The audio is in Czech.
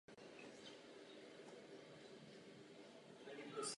Již jako student byl v Praze i na venkově známý jako humorista.